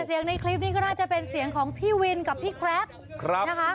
ในคลิปนี้ก็น่าจะเป็นเสียงของพี่วินกับพี่แกรปนะคะ